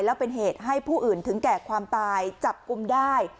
แล้วเป็นเหตุให้ผู้อื่นถึงแก่ความตายจับกลุ่มได้